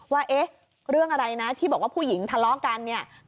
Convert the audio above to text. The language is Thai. ว่าเรื่องอะไรนะที่บอกว่าผู้หญิงทะเลาะกัน